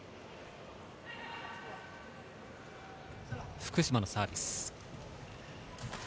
福島のサービス。